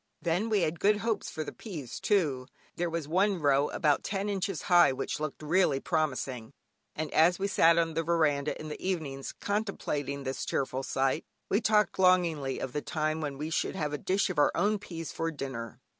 Then we had good hopes for the peas too; there was one row about ten inches high which looked really promising, and as we sat on the veranda in the evenings contemplating this cheerful sight, we talked longingly of the time when we should have a dish of our own peas for dinner.